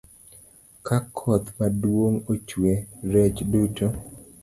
Ka koth maduong' ochwe, rech duto